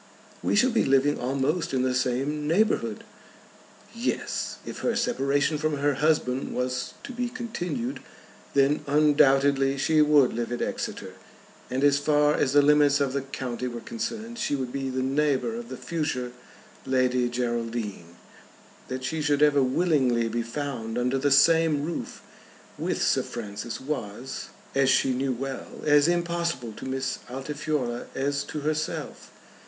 "We shall be living almost in the same neighbourhood!" Yes; if her separation from her husband was to be continued, then undoubtedly she would live at Exeter, and, as far as the limits of the county were concerned, she would be the neighbour of the future Lady Geraldine. That she should ever willingly be found under the same roof with Sir Francis was, as she knew well, as impossible to Miss Altifiorla as to herself.